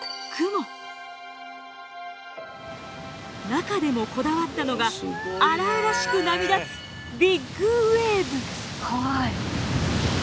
中でもこだわったのが荒々しく波立つビッグウエーブ。